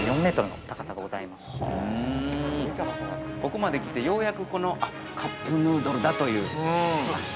◆ここまで来て、ようやくあっ、カップヌードルだという。